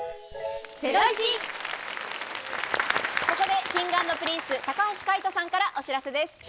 ここでＫｉｎｇ＆Ｐｒｉｎｃｅ高橋海人さんからお知らせです。